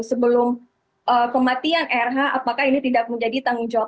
sebelum kematian rh apakah ini tidak menjadi tanggung jawab